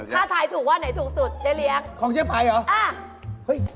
ถ้าถ่ายถูกว่าไหนถูกสุดที่จะเรียกของเจ๊ไฟหรอ